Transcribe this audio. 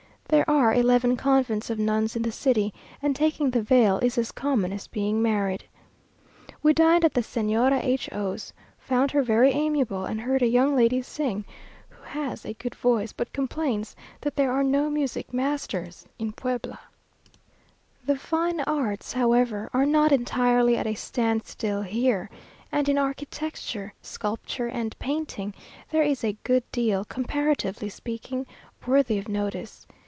There are eleven convents of nuns in the city, and taking the veil is as common as being married. We dined at the Señora H o's; found her very amiable, and heard a young lady sing, who has a good voice, but complains that there are no music masters in Puebla. The fine arts, however, are not entirely at a standstill here; and in architecture, sculpture, and painting, there is a good deal, comparatively speaking, worthy of notice.